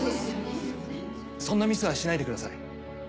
そんなミスはしないでください